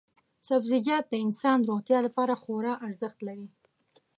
سبزیجات د انسان روغتیا لپاره خورا ارزښت لري.